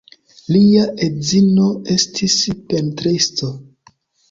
Lia edzino estis pentristo.